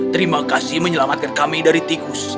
terima kasih menyelamatkan kami dari tikus